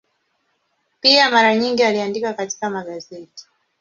Pia mara nyingi aliandika katika magazeti.